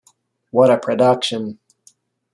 What a production!